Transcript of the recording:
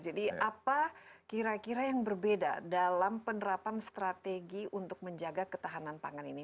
jadi apa kira kira yang berbeda dalam penerapan strategi untuk menjaga ketahanan pangan ini